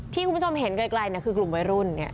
คุณผู้ชมเห็นไกลคือกลุ่มวัยรุ่นเนี่ย